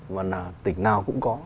và tỉnh nào cũng có